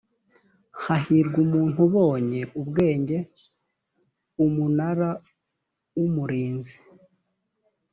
hahirwa umuntu ubonye ubwenge umunara w’umurinzi